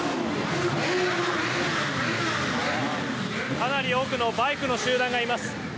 かなり多くのバイクの集団がいます。